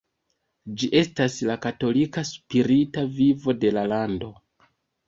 Ĝi estas la katolika spirita vivo de la lando.